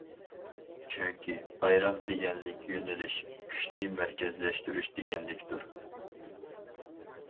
چۈنكى، بايراق دېگەنلىك يۆنىلىش، كۈچنى مەركەزلەشتۈرۈش دېگەنلىكتۇر.